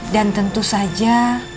dan tentu saja